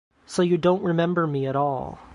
So you don't remember me at all